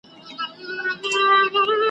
تر بدو ښه وي چي کړی نه کار ,